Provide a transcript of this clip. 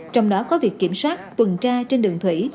trong đó có việc kiểm soát tuần tra trên đường thủy